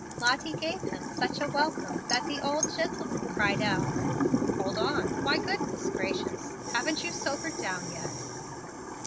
Lottie gave him such a welcome that the old gentleman cried out: "Hold on. My goodness gracious! haven't you sobered down yet?"